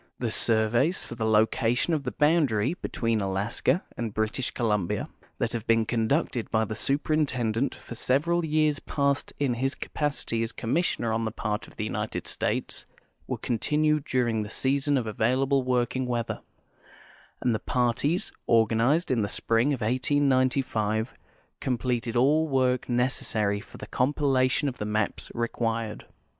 The surve}'S for the location of the boundary between Alaska and British Columbia, that have been conducted by the Superintendent for several years past in his capacity as commissioner on the part of the United States, were continued during the season of available working weather, and the parties organized in the spring of 1895 completed all the work necessary for the compilation of the maps required.